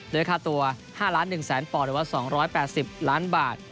โดยค่าตัว๕๑๐๐๐๐๐บาทหรือว่า๒๘๐ล้านบาท